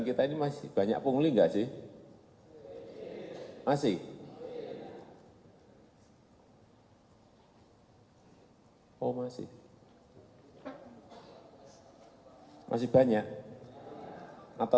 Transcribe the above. itu dimulai dari perbatasan aceh